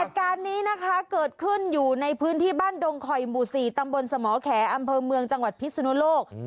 เหตุการณ์นี้นะคะเกิดขึ้นอยู่ในพื้นที่บ้านดงคอยหมู่๔ตำบลสมแขอำเภอเมืองจังหวัดพิศนุโลก